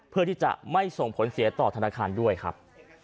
เพื่อที่จะไม่ส่งผลเสียต่อธนาคารด้วยครับ